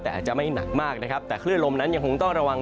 แต่อาจจะไม่หนักมากนะครับแต่คลื่นลมนั้นยังคงต้องระวัง